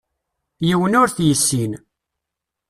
Yiwen ur t-yessin.